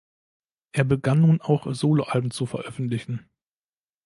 Er begann nun auch Solo-Alben zu veröffentlichen.